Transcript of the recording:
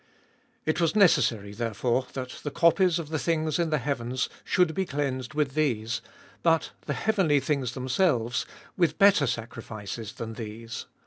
It was necessary therefore that the copies of the things in the heavens should be cleansed with these ; but the heavenly things themselves with better sacrifices than these.